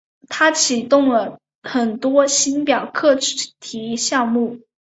他启动了很多星表课题项目。